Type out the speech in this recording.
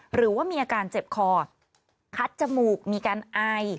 หรือว่ามีอาการเจ็บคอคัดจมูกมีการไอ